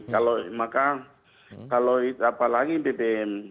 kalau maka kalau apalagi bbm